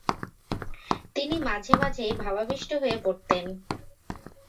তিনি মাঝে মাঝেই ভাবাবিষ্ট হয়ে পড়তেন।